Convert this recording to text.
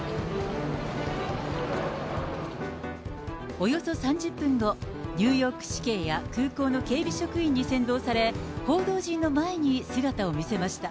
およそ３０分後、ニューヨーク市警や空港の警備職員に先導され、報道陣の前に姿を見せました。